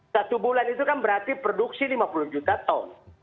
satu bulan itu kan berarti produksi lima puluh juta ton